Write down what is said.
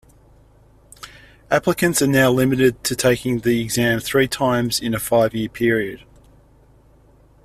Applicants are now limited to taking the exam three times in a five-year period.